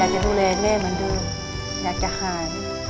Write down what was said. อยากจะดูแลแม่มันดูอยากจะห่าน